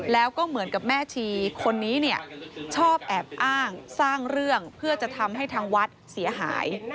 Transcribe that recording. แล้วก็เหมือนกับแม่ชีคนนี้เนี่ยชอบแอบอ้างสร้างเรื่องเพื่อจะทำให้ทางวัดเสียหาย